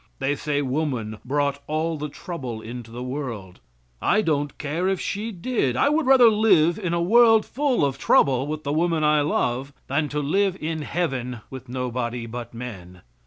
They say woman brought all the trouble into the world. I don't care if she did. I would rather live in a world full of trouble with the women I love, than to live in Heaven with nobody but men.